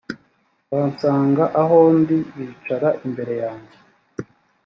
bansanga aho ndi bicara imbere yanjye